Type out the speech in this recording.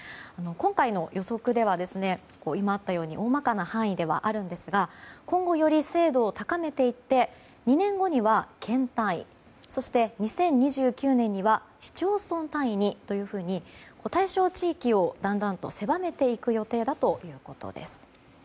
今回の予測では大まかな範囲ではあるんですが今後、より精度を高めていって２年後には県単位そして２０２９年には市町村単位にというふうに対象地域をだんだんと狭めていく予定だということです。